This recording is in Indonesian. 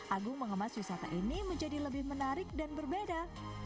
agung mengemas wisata ini menjadi lebih menarik dan berbeda